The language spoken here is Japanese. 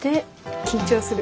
緊張する。